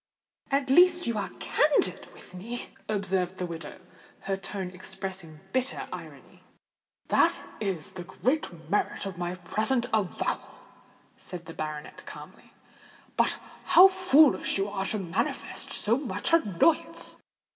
"At least you are candid with me," observed the widow, her tone expressing bitter irony. "That is the great merit of my present avowal," said the baronet calmly. "But how foolish you are to manifest so much annoyance.